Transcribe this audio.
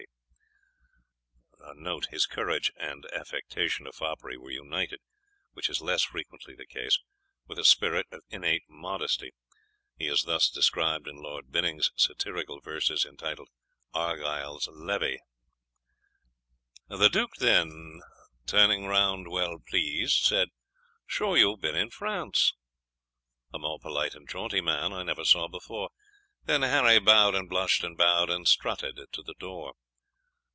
His courage and affectation of foppery were united, which is less frequently the case, with a spirit of innate modesty. He is thus described in Lord Binning's satirical verses, entitled "Argyle's Levee:" "Six times had Harry bowed unseen, Before he dared advance; The Duke then, turning round well pleased, Said, 'Sure you've been in France! A more polite and jaunty man I never saw before:' Then Harry bowed, and blushed, and bowed, And strutted to the door."